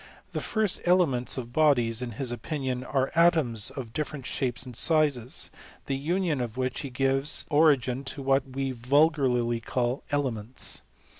The first elements of bodies, in his opinion, are atoms, of different shapes and sizes ; the union of which gives origin to what we vulgarly call elements.